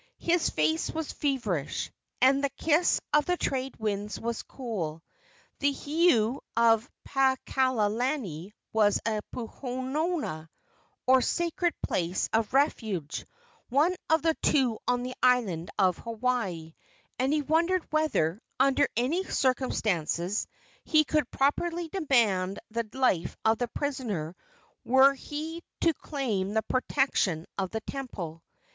His face was feverish, and the kiss of the trade winds was cool. The heiau of Paakalani was a puhonua, or sacred place of refuge one of the two on the island of Hawaii and he wondered whether, under any circumstances, he could properly demand the life of the prisoner were he to claim the protection of the temple.